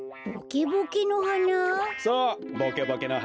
ボケボケの花？